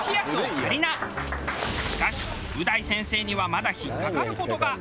しかしう大先生にはまだ引っかかる事が。